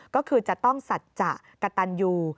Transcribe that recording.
ก็คือจะต้องสัจจะกระตันยู